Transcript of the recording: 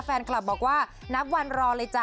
แฟนคลับบอกว่านับวันรอเลยจ้